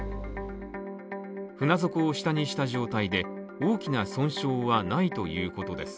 船底を下にした状態で大きな損傷はないということです。